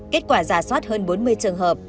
kết quả giả soát hơn bốn mươi trường hợp